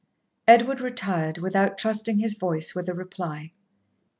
Edward retired, without trusting his voice with a reply.